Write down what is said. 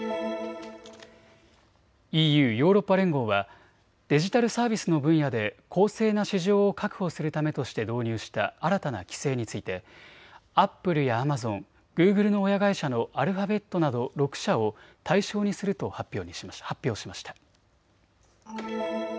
ＥＵ・ヨーロッパ連合はデジタルサービスの分野で公正な市場を確保するためとして導入した新たな規制についてアップルやアマゾン、グーグルの親会社のアルファベットなど６社を対象にすると発表しました。